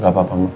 gak apa apa mbak